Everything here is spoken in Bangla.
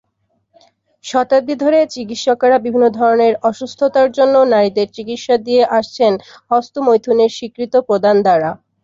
শতাব্দী ধরে, চিকিৎসকেরা বিভিন্ন ধরনের অসুস্থতার জন্য নারীদের চিকিৎসা দিয়ে আসছেন হস্তমৈথুনের স্বীকৃত প্রদান দ্বারা।